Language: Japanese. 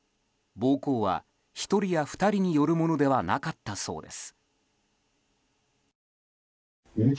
暴行は１人や２人によるものではなかったそうです。